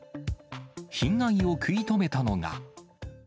被害を食い止めたのが。